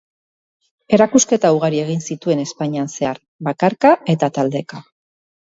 Erakusketa ugari egin zituen Espainian zehar, bakarka eta taldeka.